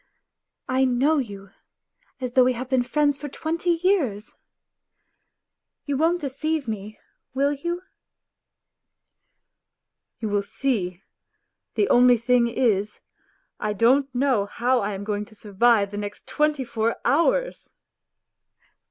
I know you as though we had been friends for twenty years. ... You won't deceive me, will you I ...."" You will see ... the only thing is, I don't know how I am going to survive the next twenty four hours."